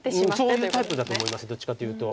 そういうタイプだと思いますどっちかっていうと。